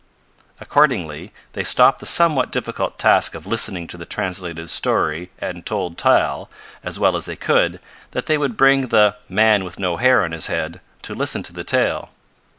Accordingly they stopped the somewhat difficult task of listening to the translated story and told Tal, as well as they could, that they would bring the "man with no hair on his head" to listen to the tale.